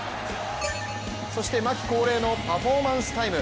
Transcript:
そして、牧恒例のパフォーマンスタイム。